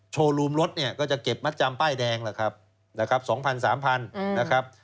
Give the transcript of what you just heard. โชว์รูมรถก็จะเก็บมัดจำป้ายแดง๒๐๐๐๓๐๐๐บาท